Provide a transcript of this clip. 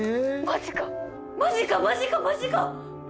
マジかマジかマジか！？